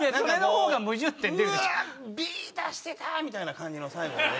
「うわっＢ出してた！」みたいな感じの最後。